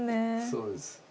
そうです。